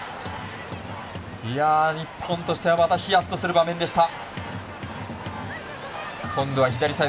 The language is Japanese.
日本としてはまたひやっとする場面でした。